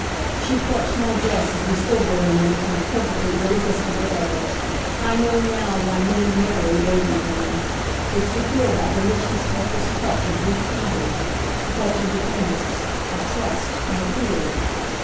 She clutched my dress as we stood there a minute in a perfectly irresistible way. I know now why men marry baby women: it's to feel that delicious, helpless clutch of weak fingers; the clutch of dependence, of trust, of appeal.